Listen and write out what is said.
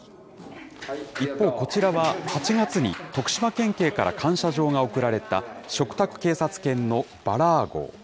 一方、こちらは８月に徳島県警から感謝状が贈られた、嘱託警察犬のヴァラー号。